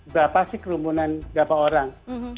berapa sih kerumunan berapa orang